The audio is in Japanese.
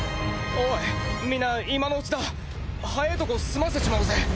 おいみんな今のうちだ早いとこ済ませちまおうぜ。